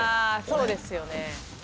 そうですよね。